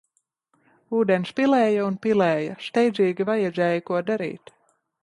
Ūdens pilēja un pilēja, steidzīgi vajadzēja ko darīt